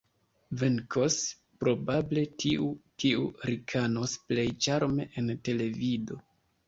Venkos probable tiu, kiu rikanos plej ĉarme en televido.